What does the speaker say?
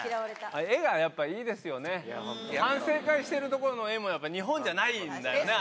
画がやっぱいいですよね反省会してるところの画もやっぱ日本じゃないんだよね